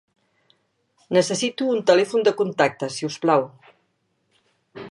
Necessito un telèfon de contacte, si us plau.